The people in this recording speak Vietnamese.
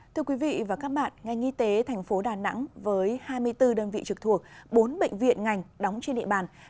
thưa quý vị và các bạn ngành y tế thành phố đà nẵng với hai mươi bốn đơn vị trực thuộc bốn bệnh viện ngành đóng trên địa bàn